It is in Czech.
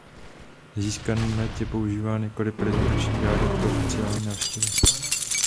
Získaný med je používán jako reprezentační dárek pro oficiální návštěvy.